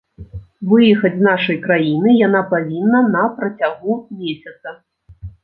Выехаць з нашай краіны яна павінна на працягу месяца.